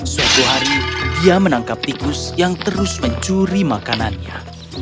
suatu hari dia menangkap tikus yang terus mencuri makanannya